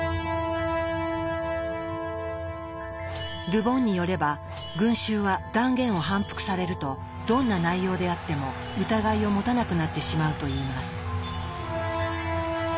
ル・ボンによれば群衆は断言を反復されるとどんな内容であっても疑いを持たなくなってしまうといいます。